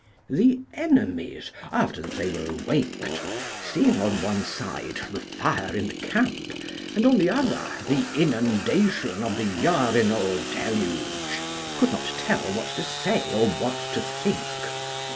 The enemies, after that they were awaked, seeing on one side the fire in the camp, and on the other the inundation of the urinal deluge, could not tell what to say nor what to think.